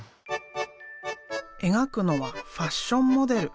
描くのはファッションモデル。